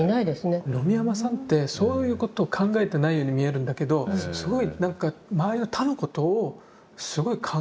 野見山さんってそういうことを考えてないように見えるんだけどすごいなんか周りの他のことをすごい考えてらっしゃる。